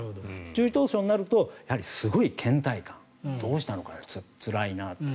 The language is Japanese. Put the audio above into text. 中等症になるとやはりすごいけん怠感どうしたのかなつらいなと。